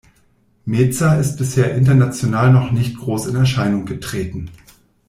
Meza ist bisher international noch nicht groß in Erscheinung getreten.